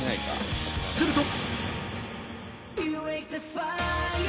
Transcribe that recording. すると